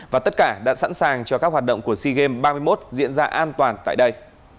và tất cả đã sẵn sàng cho các hoạt động của sea games ba mươi một diễn ra an toàn tại đây